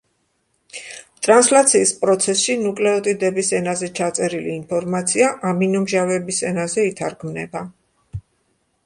ტრანსლაციის პროცესში „ნუკლეოტიდების ენაზე“ ჩაწერილი ინფორმაცია „ამინომჟავების ენაზე“ ითარგმნება.